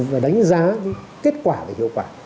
và đánh giá kết quả là hiệu quả